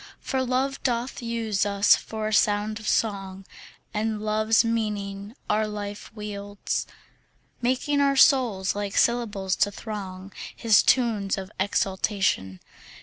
For Love doth use us for a sound of song, And Love's meaning our life wields, Making our souls like syllables to throng His tunes of exultation.